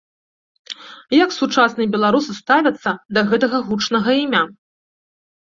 Як сучасныя беларусы ставяцца да гэтага гучнага імя?